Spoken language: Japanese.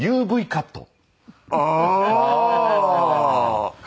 ＵＶカット。